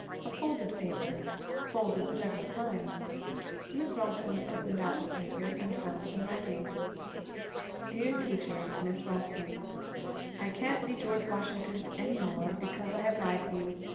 A folded paper. Folded several times. Miss Ralston opened out the paper and found some writing. 'DEAR TEACHER MISS RALSTON, 'I can't be George Washington any more because I have lied to you.